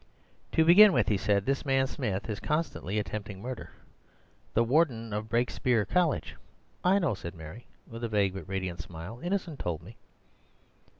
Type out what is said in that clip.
"To begin with," he said, "this man Smith is constantly attempting murder. The Warden of Brakespeare College—" "I know," said Mary, with a vague but radiant smile. "Innocent told me."